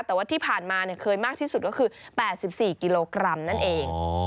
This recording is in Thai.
แต่ว่าที่ผ่านมาเคยมากที่สุดก็คือ๘๔กิโลกรัมนั่นเอง